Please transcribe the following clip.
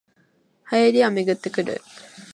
流行りはめぐってくる